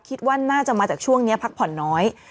คิดว่าน่าจะมาจากช่วงนี้พักผ่อนน้อย